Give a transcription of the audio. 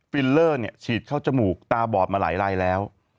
ฟิลเลอร์เนี่ยฉีดเข้าจมูกตาบอดมาหลายแล้ว